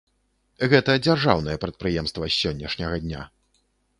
Гэта дзяржаўнае прадпрыемства з сённяшняга дня.